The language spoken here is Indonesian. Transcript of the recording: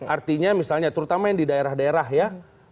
artinya misalnya terutama yang di daerah daerah ya